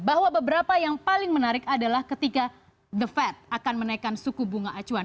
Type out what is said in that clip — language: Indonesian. bahwa beberapa yang paling menarik adalah ketika the fed akan menaikkan suku bunga acuan